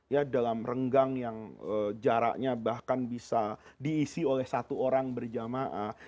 ya dalam renggang yang jaraknya bahkan bisa diisi oleh satu orang berjamaah